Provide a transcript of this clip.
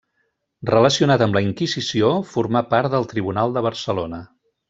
Relacionat amb la Inquisició, formà part del Tribunal de Barcelona.